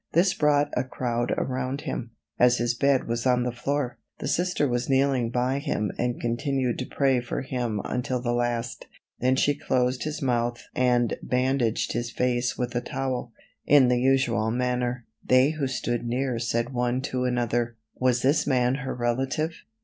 This brought a crowd around him, as his bed was on the floor. The Sister was kneeling by him and continued to pray for him until the last; then she closed his mouth and bandaged his face with a towel, in the usual manner. They who stood near said one to another: "Was this man her relative?"